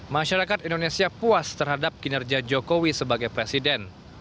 masyarakat indonesia puas terhadap kinerja jokowi sebagai presiden